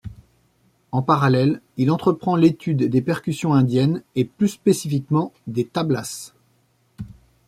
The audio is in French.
En parallèle, il entreprend l'étude des percussions indiennes et plus spécifiquement des tablas.